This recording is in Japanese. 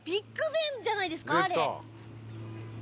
じゃないですかあれ。